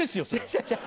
違う違う。